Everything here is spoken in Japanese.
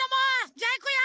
じゃいくよ！